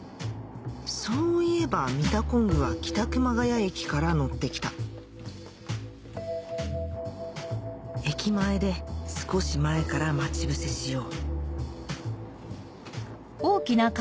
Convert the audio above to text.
そういえばミタコングは北熊谷駅から乗ってきた駅前で少し前から待ち伏せしよう